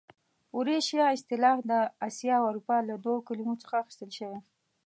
اوریشیا اصطلاح د اسیا او اروپا له دوو کلمو څخه اخیستل شوې.